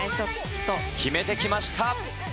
決めてきました。